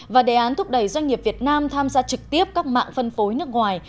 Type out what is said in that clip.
và đề án thúc đẩy doanh nghiệp việt nam tham gia trực tiếp các mạng phân phối nước ngoài